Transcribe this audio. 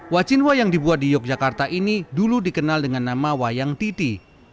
wacinwa yang dibuat di yogyakarta ini dulu dikenal dengan nama wayang titi